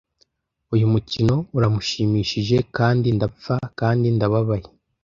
uyu mukino uramushimishije kandi ndapfa kandi ndababaye